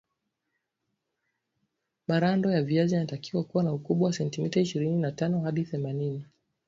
marando yaviazi yanatakiwa kuwa na ukubwa wa sentimita ishirini na tano hadi themanini